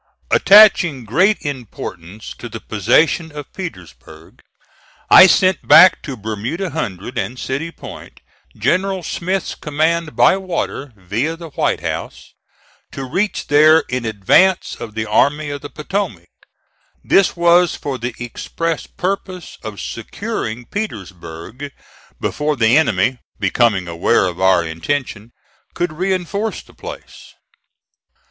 Attaching great importance to the possession of Petersburg, I sent back to Bermuda Hundred and City Point, General Smith's command by water, via the White House, to reach there in advance of the Army of the Potomac. This was for the express purpose of securing Petersburg before the enemy, becoming aware of our intention, could reinforce the place.